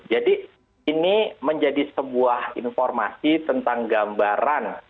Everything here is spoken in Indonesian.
jadi ini menjadi sebuah informasi tentang gambaran